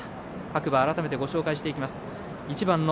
各馬、改めてご紹介します。